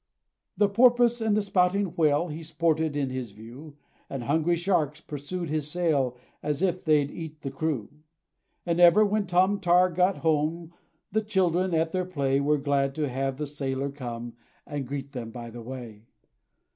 The porpoise and the spouting whale Had sported in his view; And hungry sharks pursued his sail, As if they 'd eat the crew. And ever, when Tom Tar got home, The children, at their play, Were glad to have the sailor come, And greet them by the way.